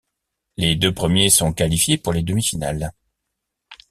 Les deux premiers sont qualifiés pour les demi-finales.